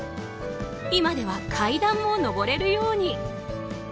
今では階段も上れるように。